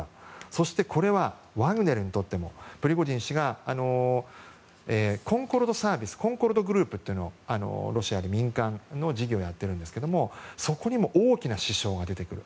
そしてこれはワグネルにとってもプリゴジン氏はコンコルドグループというのをロシアで民間の事業をやっているんですがそこにも大きな支障が出てくる。